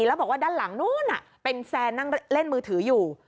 แล้วบอกว่าด้านหลังนู้นเป็นแฟนนั่งเล่นมือถืออยู่